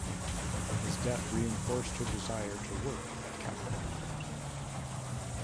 His death reinforced her desire to work at Capcom.